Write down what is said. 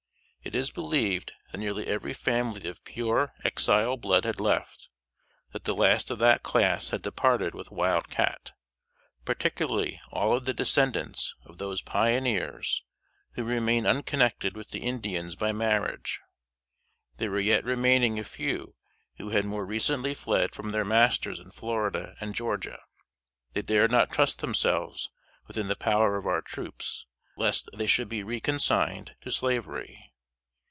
It is believed that nearly every family of pure Exile blood had left; that the last of that class had departed with Wild Cat, particularly all of the descendants of those pioneers who remained unconnected with the Indians by marriage. There were yet remaining a few who had more recently fled from their masters in Florida and Georgia. They dared not trust themselves within the power of our troops, lest they should be reconsigned to slavery.